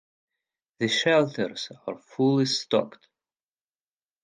The shelters are fully stocked.